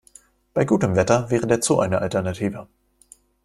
Bei gutem Wetter wäre der Zoo eine Alternative.